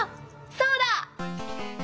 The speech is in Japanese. そうだ！